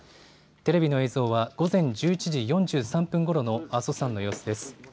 テレビの映像は午前１１時４３分ごろの阿蘇山の様子です。